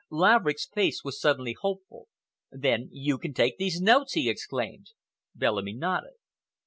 Laverick's face was suddenly hopeful. "Then you can take these notes!" he exclaimed. Bellamy nodded.